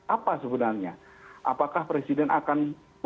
apa sebenarnya apakah presiden akan